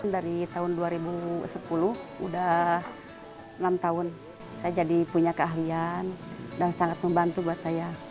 dari tahun dua ribu sepuluh udah enam tahun saya jadi punya keahlian dan sangat membantu buat saya